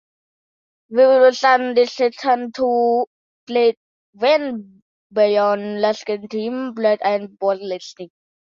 Wilson's dedication to gardening went beyond landscaping, writing and broadcasting.